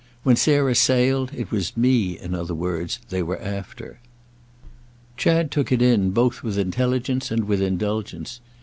When Sarah sailed it was me, in other words, they were after." Chad took it in both with intelligence and with indulgence.